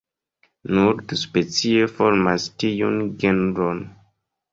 Nur du specioj formas tiun genron.